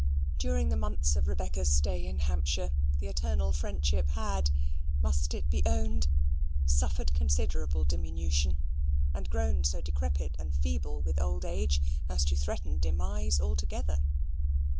During the months of Rebecca's stay in Hampshire, the eternal friendship had (must it be owned?) suffered considerable diminution, and grown so decrepit and feeble with old age as to threaten demise altogether.